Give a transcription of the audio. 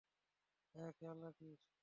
হ্যাঁ, খেয়াল রাখিস।